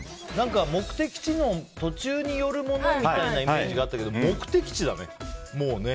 目的地の途中に寄るものみたいなイメージがあったけど目的地だね、もうね。